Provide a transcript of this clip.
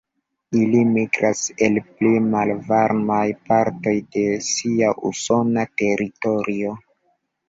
Ili migras el pli malvarmaj partoj de sia usona teritorio.